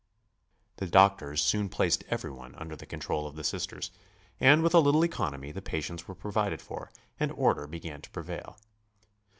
The doctors soon placed everything under the control of the Sisters, and with a little economy the patients were provided for and order began to prevail.